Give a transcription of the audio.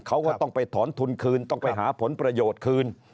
เขาก็ต้องไปถอนทุนคืนต้องไปหาผลประโยชน์คืน